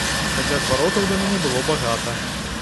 Хаця зваротаў да мяне было багата.